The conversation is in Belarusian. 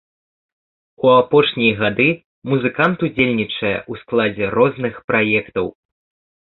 У апошнія гады музыкант удзельнічае ў складзе розных праектаў.